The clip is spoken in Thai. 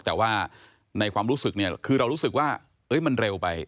แต่ว่าในความรู้สึกเนี่ยคือเรารู้สึกว่ามันเร็วไป